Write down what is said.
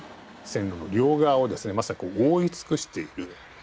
線路の両側をまさに覆い尽くしている。